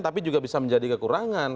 tapi juga bisa menjadi kekurangan